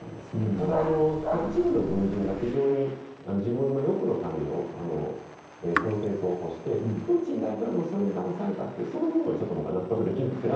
ただ、一部の軍人が非常に自分の欲のために、この戦争を起こして、プーチン大統領もそれにだまされたという、その部分はちょっと僕は納得できなくて。